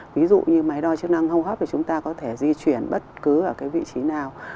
ví dụ như máy đo chức năng hô hấp thì chúng ta có thể di chuyển bất cứ ở vị trí nào